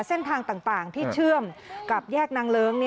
เส้นทางต่างที่เชื่อมกับแยกนางเลิ้ง